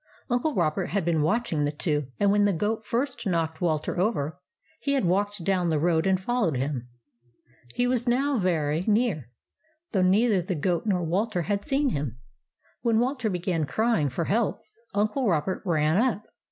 Uncle Robert had been watching the two, and when the goat first knocked Walter over, he had walked down the road and followed him. He was now very 84 THE ADVENTURES OF MABEL near, though neither the goat nor Walter had seen him. When Walter began crying for help, Uncle Robert ran up.